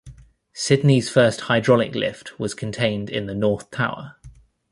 Sydney's first hydraulic lift was contained in the north tower.